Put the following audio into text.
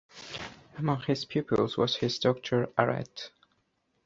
Among his pupils was his daughter Arete.